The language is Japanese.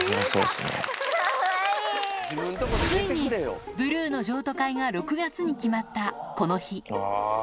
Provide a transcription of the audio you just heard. ついに、ブルーの譲渡会が６月に決まったこの日。